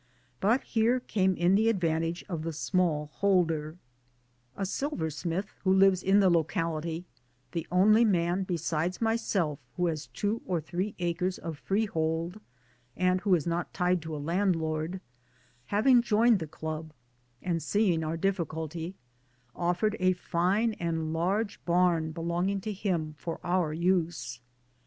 But here in the advantage of the small holder. A 290 MY DAYS AND DREAMS silversmith who lives in the localitythe only beside myself who has two or three acres of free hold and who is not tied to a landlord having" joined the Club, and seeing; our difficulty, offered a fine and large barn belonging to him for our use.